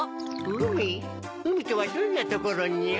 うみとはどんなところにゃ？